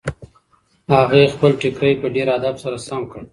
هغې خپل ټیکری په ډېر ادب سره سم کړ.